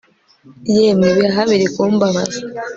yemwe ibihaha birikumbabaza